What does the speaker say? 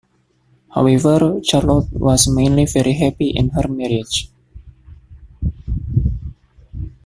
However Charlotte was mainly very happy in her marriage.